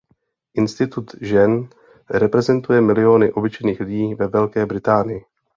Institut žen reprezentuje miliony obyčejných lidí ve Velké Británii.